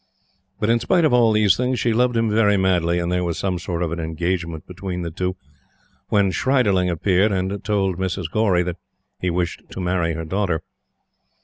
But, in spite of all these things, she loved him very madly; and there was some sort of an engagement between the two when Schreiderling appeared and told Mrs. Gaurey that he wished to marry her daughter.